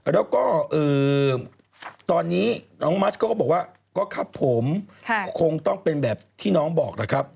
แล้วก็ตอนนี้น้องมัสก็บอกว่าก็ครับผมคงต้องเป็นแบบที่น้องบอกแล้วครับ